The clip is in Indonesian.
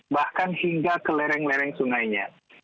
bahkan hingga ke lereng lereng sungainya